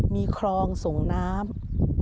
มีคลองส่งน้ำ